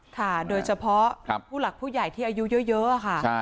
ค่ะโดยเฉพาะผู้หลักผู้ใหญ่ที่อายุเยอะค่ะ